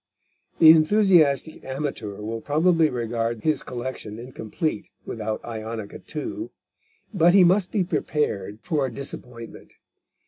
The enthusiastic amateur will probably regard his collection incomplete without Ionica II., but he must be prepared for a disappointment.